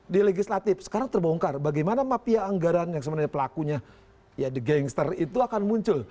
di legislatif sekarang terbongkar bagaimana mafia anggaran yang sebenarnya pelakunya ya di gangster itu akan muncul